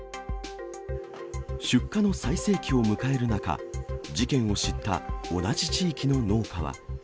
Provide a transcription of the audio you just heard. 出荷の最盛期を迎える中、事件を知った同じ地域の農家は。